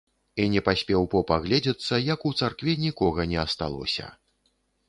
І не паспеў поп агледзецца, як у царкве нікога не асталося.